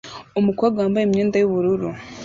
Umukobwa wambaye imyenda yubururu